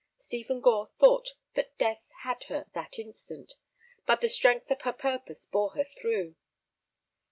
Stephen Gore thought that death had her that instant, but the strength of her purpose bore her through.